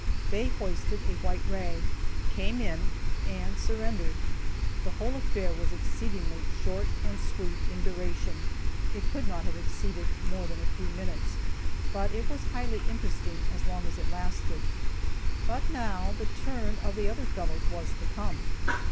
They hoisted a white rag, came in, and surrendered. The whole affair was exceedingly "short and sweet;" in duration it could not have exceeded more than a few minutes, but it was highly interesting as long as it lasted. But now the turn of the other fellows was to come.